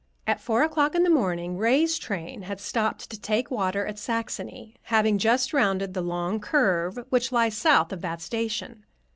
At four o'clock in the morning Ray's train had stopped to take water at Saxony, having just rounded the long curve which lies south of that station.